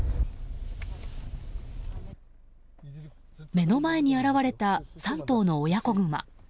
目の前に現れた３頭の親子グマ。